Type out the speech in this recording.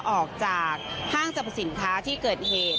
ออกจากห้างสรรพสินค้าที่เกิดเหตุ